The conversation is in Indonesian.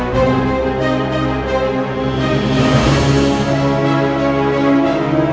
saya terima lamaran saya